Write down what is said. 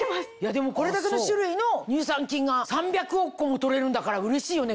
でもこれだけの種類の乳酸菌が３００億個も取れるんだからうれしいよね